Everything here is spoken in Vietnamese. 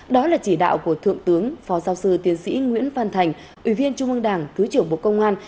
đó là chỉ đạo của thượng tướng phó giáo sư tiến sĩ nguyễn văn thành ủy viên trung ương đảng thứ trưởng bộ công an